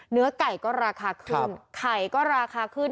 เนื้อไก่ก็ราคาขึ้นไข่ก็ราคาขึ้น